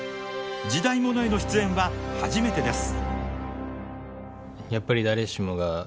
時代物への出演は初めてです。